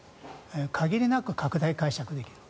限りなく拡大解釈できる。